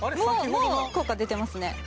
もう効果出てますね。